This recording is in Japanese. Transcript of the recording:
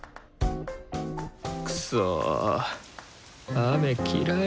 くそ雨嫌い。